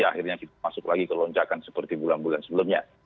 akhirnya kita masuk lagi ke lonjakan seperti bulan bulan sebelumnya